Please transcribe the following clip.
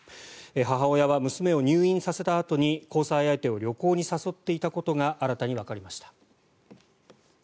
母親は娘を入院させたあとに交際相手を旅行に誘っていたことが新たにわかりました。